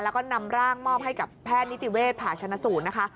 แล้วก็นำร่างมอบให้กับแพทย์นิติเวชผ่าชนะสูตรนะคะ